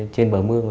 trên bờ mưa